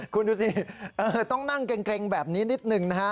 คุณดูสิต้องนั่งเกร็งแบบนี้นิดหนึ่งนะฮะ